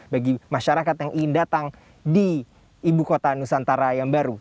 bagi masyarakat yang ingin datang di ibu kota nusantara yang baru